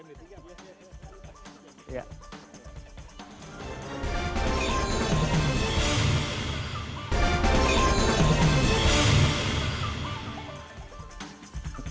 dalam menentukan apbn juga dirumuskan di md tiga